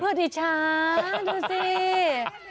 พระอิจฉาดูสิ